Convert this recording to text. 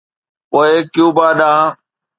پوء ڪيوبا ڏانهن.